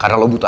karena lo buta